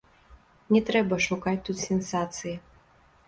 Не трэба шукаць тут сенсацыі.